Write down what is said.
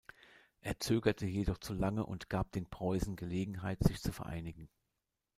Er zögerte jedoch zu lange und gab den Preußen Gelegenheit, sich zu vereinigen.